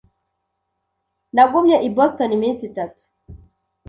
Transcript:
Nagumye i Boston iminsi itatu.